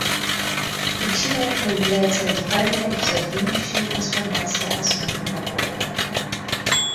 Причиной этого является радикальная и всеобъемлющая трансформация основ мирового порядка.